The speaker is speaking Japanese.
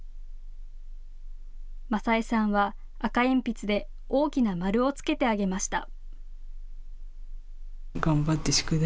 正恵さんは赤鉛筆で大きな丸をつけてあげました。